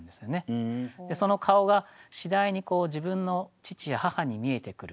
でその顔が次第に自分の父や母に見えてくる。